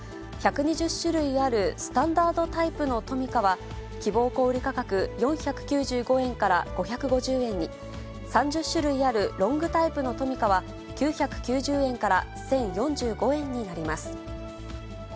１２０種類あるスタンダードタイプのトミカは、希望小売価格４９５円から５５０円に、３０種類あるロングタイプのトミカは９９０円から１０４５円になります。